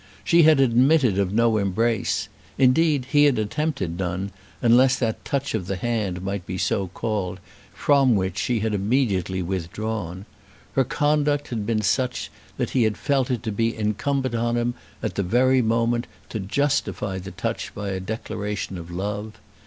She had admitted of no embrace. Indeed he had attempted none, unless that touch of the hand might be so called, from which she had immediately withdrawn. Her conduct had been such that he had felt it to be incumbent on him, at the very moment, to justify the touch by a declaration of love.